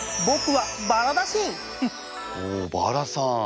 おおバラさん。